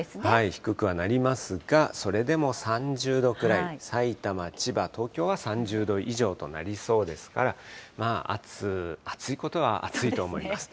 低くはなりますが、それでも３０度くらい、さいたま、千葉、東京は３０度以上となりそうですから、まあ、暑いことは暑いと思います。